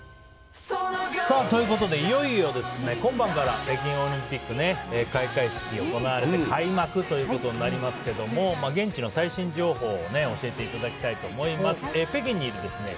いよいよ、今晩から北京オリンピックね開会式が行われて開幕ということになりますけど現地の最新情報を教えていただきたいと思います。